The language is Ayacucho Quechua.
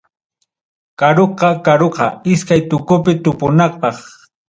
Karuqa karuqa, iskay tuqupi tupunapaq.